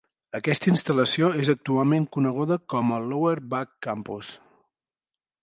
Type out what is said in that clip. Aquesta instal·lació és actualment coneguda com el Lower Bucks Campus.